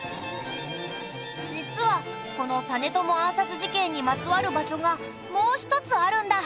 実はこの実朝暗殺事件にまつわる場所がもう一つあるんだ。